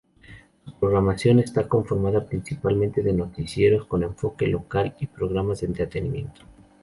Su programación esta conformada principalmente de noticieros con enfoque local y programas de entretenimiento.